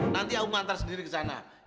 nanti aku mantar sendiri ke sana